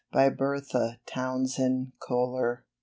BY BERTHA TOWNSEND COLER.